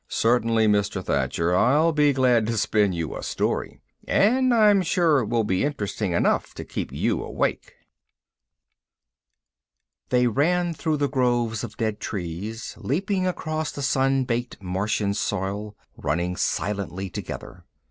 "Certainly, Mr. Thacher. I'll be glad to spin you a story. And I'm sure it will be interesting enough to keep you awake." They ran through the groves of dead trees, leaping across the sun baked Martian soil, running silently together.